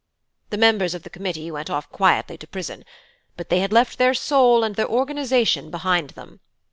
"The members of the Committee went off quietly to prison; but they had left their soul and their organisation behind them.